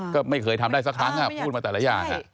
ก็ไม่เคยทำได้สักครั้งพูดมาแต่ละอย่าง